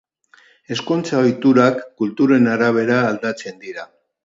Ezkontza ohiturak kulturen arabera aldatzen dira.